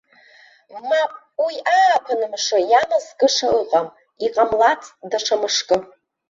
Мап, уи ааԥын мшы иамазкыша ыҟам, иҟамлацт даҽа мышкы!